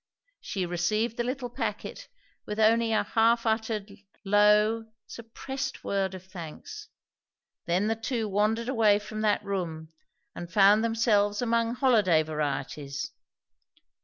She received the little packet with only a half uttered, low, suppressed word of thanks. Then the two wandered away from that room, and found themselves among holiday varieties.